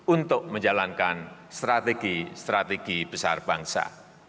untuk menjalankan strategi strategi besar bangsa